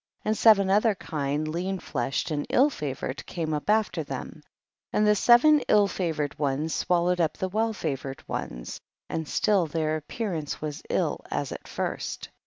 4. And seven other kine, lean fleshed and ill favored, came up after them, and the seven ill favored ones swallowed up the well favored ones, and still their appearance was ill as at first.